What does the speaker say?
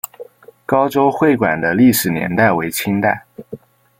高州会馆的历史年代为清代。